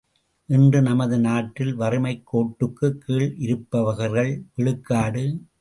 இன்று நமது நாட்டில் வறுமைக்கோட்டுக்குக் கீழ் இருப்பவர்கள் விழுக்காடு.